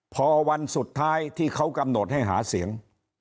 พอวันสุดท้ายที่เขากำหนดให้หาเสียง